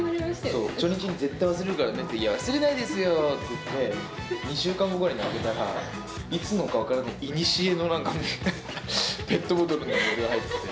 そう、初日に絶対忘れるからねって言って、絶対忘れないですよーって言って、２週間後ぐらいに開けたら、いつのか分からない、いにしえのペットボトルの水が入ってて。